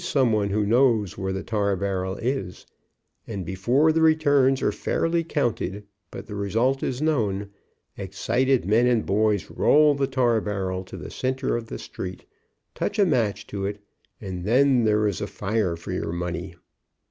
someone who knows where the tar barrel is, and be fore the returns are fairly counted, but the result is known, excited men and boys roll the tar barrel to 120 BURNING A TAR BARREL the center of the street, touch a match to it, and then there is a fire for your money.